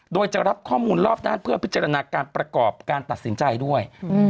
โดยจะรับข้อมูลรอบด้านเพื่อพิจารณาการประกอบการตัดสินใจด้วย